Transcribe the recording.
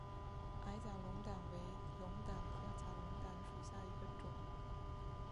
矮假龙胆为龙胆科假龙胆属下的一个种。